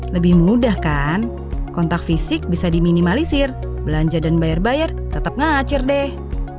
lebih mudah kan kontak fisik bisa diminimalisir belanja dan bayar bayar tetap ngacir deh